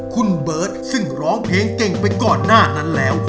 คุณเบิร์ตซึ่งร้องเพลงเก่งไปก่อนหน้านั้นแล้ว